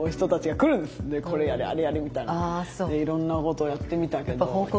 いろんなことやってみたけど。